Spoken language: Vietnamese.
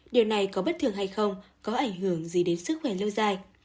điều này có bất thường hay không có ảnh hưởng gì đến sức khỏe lâu dài